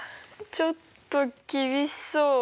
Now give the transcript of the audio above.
ちょっと厳しそう。